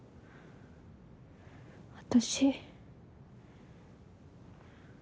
私。